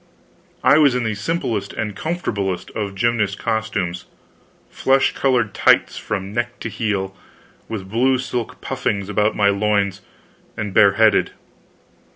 I was in the simplest and comfortablest of gymnast costumes flesh colored tights from neck to heel, with blue silk puffings about my loins, and bareheaded.